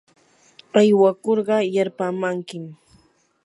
aywakurqa yarpaamankim.